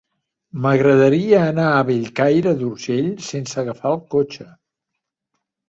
M'agradaria anar a Bellcaire d'Urgell sense agafar el cotxe.